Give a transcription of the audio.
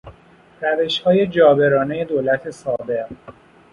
روشهای جابرانهی دولت سابق